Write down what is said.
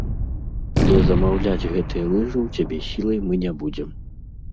Але замаўляць гэтыя лыжы ў цябе сілай мы не будзем.